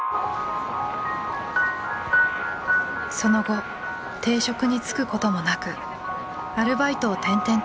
その後定職に就くこともなくアルバイトを転々とする日々。